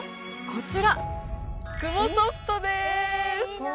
こちら雲ソフトです